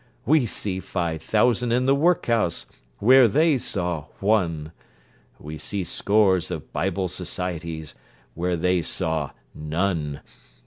We see five thousand in the workhouse, where they saw one. We see scores of Bible Societies, where they saw none.